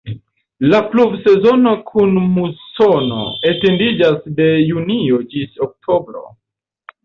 La pluvsezono kun musono etendiĝas de junio ĝis oktobro.